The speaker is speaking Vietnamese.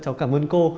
cháu cảm ơn cô